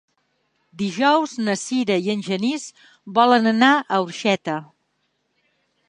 Dijous na Sira i en Genís volen anar a Orxeta.